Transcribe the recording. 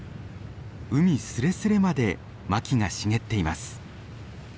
海すれすれまでマキが茂っています。